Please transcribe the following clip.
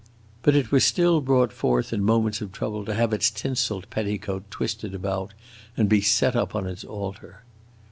But it was still brought forth in moments of trouble to have its tinseled petticoat twisted about and be set up on its altar.